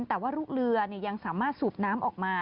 แต่ว่าลูกเรือยังสามารถสูบน้ำออกมา